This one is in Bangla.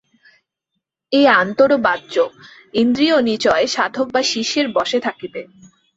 এই আন্তর ও বাহ্য ইন্দ্রিয়নিচয় সাধক বা শিষ্যের বশে থাকিবে।